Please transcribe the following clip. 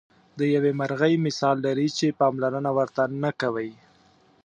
د یوې مرغۍ مثال لري چې پاملرنه ورته نه کوئ.